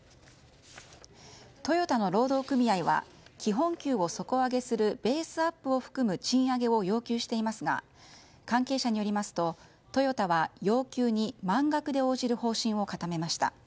トヨタの労働組合は基本給を底上げするベースアップを含む賃上げを要求していますが関係者によりますとトヨタは要求に満額で応じる方針を固めました。